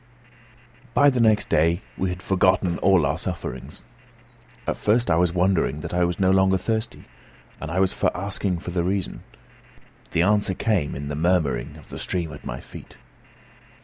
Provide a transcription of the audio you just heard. By the next day we had forgotten all our sufferings. At first, I was wondering that I was no longer thirsty, and I was for asking for the reason. The answer came in the murmuring of the stream at my feet.